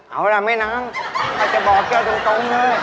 เอาล่ะแม่น้ำฉันจะบอกแกตรง